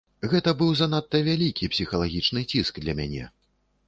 Гэта быў занадта вялікі псіхалагічны ціск для мяне.